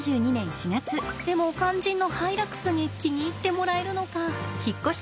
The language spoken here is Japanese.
でも肝心のハイラックスに気に入ってもらえるのか。